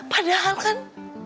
padahal sih tuh